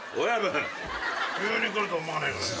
急に来ると思わねえからよ。